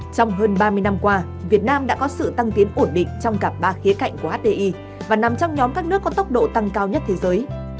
trong hơn ba mươi năm qua việt nam đã có sự tăng tiến ổn định trong cả ba khía cạnh của hdi và nằm trong nhóm các nước có tốc độ tăng cao nhất thế giới